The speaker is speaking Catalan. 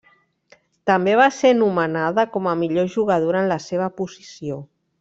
També va ser nomenada com a millor jugadora en la seva posició.